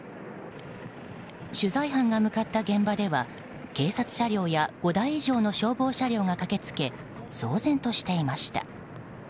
取材班が向かった現場では警察車両や５台以上の消防車両が駆け付け騒然としていました。